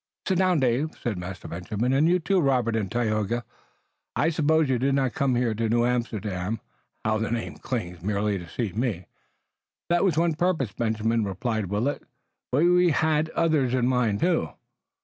"Sit down, Dave," said Master Benjamin, "and you, too, Robert and Tayoga. I suppose you did not come to New Amsterdam how the name clings! merely to see me." "That was one purpose, Benjamin," replied Willet, "but we had others in mind too."